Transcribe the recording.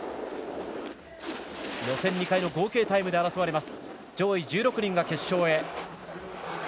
予選２回の合計タイムで争い上位１６人が決勝へ。